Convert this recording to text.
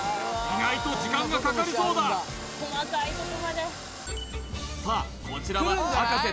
意外と時間がかかりそうださあこちらは葉加瀬